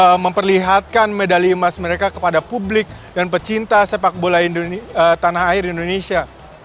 dan juga untuk memperlihatkan medali emas mereka kepada publik dan pecinta sepak bola tanah air indonesia